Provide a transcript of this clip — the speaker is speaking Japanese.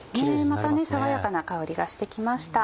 また爽やかな香りがして来ました。